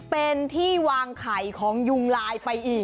เป็นที่วางไข่ของยุงลายไปอีก